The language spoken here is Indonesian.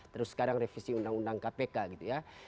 terus sekarang revisi undang undang kpk gitu ya